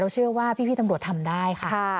เราเชื่อว่าพี่ตำรวจทำได้